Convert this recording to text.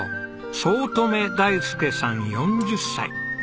五月女大介さん４０歳。